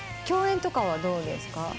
共演とかはどうですか？